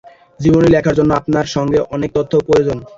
জীবনী লেখার জন্যে আপনার সম্পর্কে অনেক তথ্য প্রয়োজন।